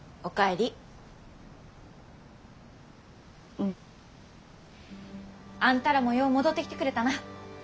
うん。あんたらもよう戻ってきてくれたな。